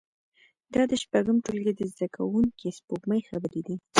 دا د شپږم ټولګي د زده کوونکې سپوږمۍ خبرې دي